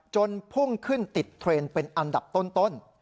พุ่งขึ้นติดเทรนด์เป็นอันดับต้น